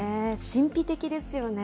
神秘的ですよね。